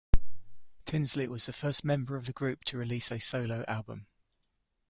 Tinsley was the first member of the group to release a solo album.